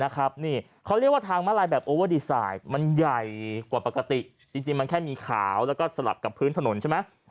เขาเรียกว่าทางมาลายแบบโอเวอร์ดีไซน์มันใหญ่กว่าปกติจริงมันแค่มีขาวแล้วก็สลับกับพื้นถนนใช่ไหม